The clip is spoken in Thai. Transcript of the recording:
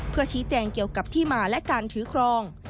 เพื่อชี้แจงเกี่ยวกับที่มาและการถือครอง